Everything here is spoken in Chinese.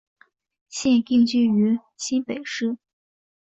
现定居于新北市。